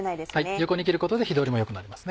横に切ることで火通りも良くなりますね。